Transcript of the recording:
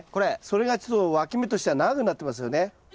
それがちょっとわき芽としては長くなってますよね。